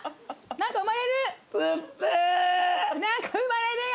何か生まれるよ。